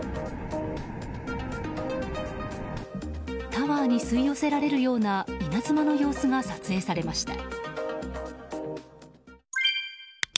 タワーに吸い寄せられるような稲妻の様子が撮影されました。